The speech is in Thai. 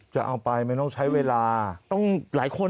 จะเอาไปมันต้องใช้เวลาต้องหลายคน